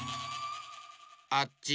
あっち。